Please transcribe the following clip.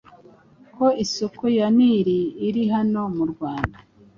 ko isoko ya Nil iri hano mu Rwanda